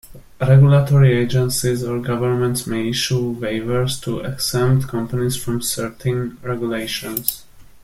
Regulatory agencies or governments may issue waivers to exempt companies from certain regulations.